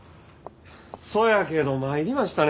そやけど参りましたね。